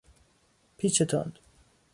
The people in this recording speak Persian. پیچ تند